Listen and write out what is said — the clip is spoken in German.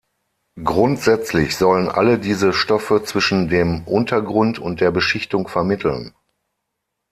Grundsätzlich sollen alle diese Stoffe zwischen dem Untergrund und der Beschichtung vermitteln.